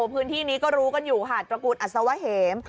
พื้นที่นี้ก็รู้กันอยู่หาดตระกูลอัศวะเหม